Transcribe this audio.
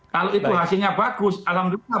kalau itu hasilnya bagus alhamdulillah